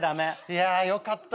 いやよかった。